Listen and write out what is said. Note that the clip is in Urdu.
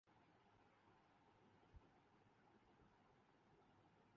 کاش گھڑی کی سوئ ٹھہر ج اور میں ی بیٹھا ر